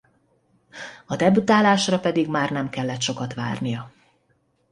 A debütálásra pedig már nem kellett sokat várnia.